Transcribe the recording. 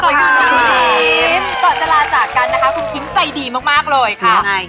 ผิมก่อนจะลาจากกันนะคะคุณคิมใจดีมากเลย